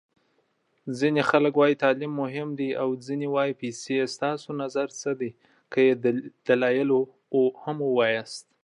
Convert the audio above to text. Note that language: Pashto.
ځيني خلک وايي تعلیم مهم دی ځيني وايي پیسي ستاسو نظر څه دی که یې د دلایلو وویاست